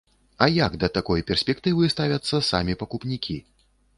А як да такой перспектывы ставяцца самі пакупнікі?